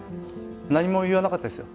何も言わなかったですよ。